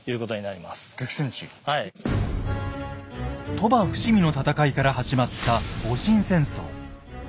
鳥羽・伏見の戦いから始まった戊辰戦争。